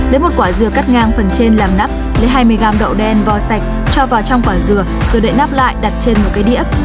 lấy một quả dừa cắt ngang phần trên làm nắp lấy hai mươi gam đậu đen vo sạch cho vào trong quả dừa rồi đệ nắp lại đặt trên một cây đĩa